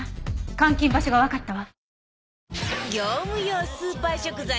監禁場所がわかったわ。